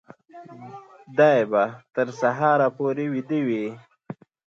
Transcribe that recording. دی به تر سهاره پورې ویده وي.